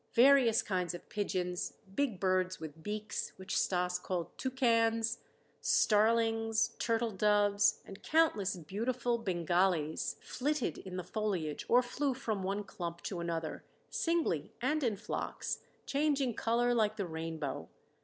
Various kinds of pigeons, big birds with beaks, which Stas called toucans, starlings, turtle doves, and countless beautiful "bingales" flitted in the foliage or flew from one clump to another, singly and in flocks, changing color like the rainbow.